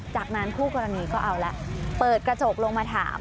จากนั้นคู่กรณีก็เอาละเปิดกระจกลงมาถาม